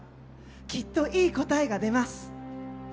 きっといい答えが出ます。